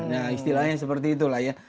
nah istilahnya seperti itulah ya